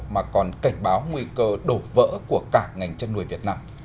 mà còn cảnh báo nguy cơ đổ vỡ của cả ngành chân người việt nam